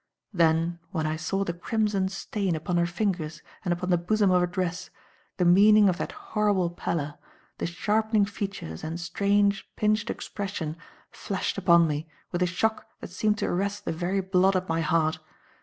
Then when I saw the crimson stain upon her fingers and upon the bosom of her dress, the meaning of that horrible pallor, the sharpening features and strange, pinched expression flashed upon me with a shock that seemed to arrest the very blood at my heart.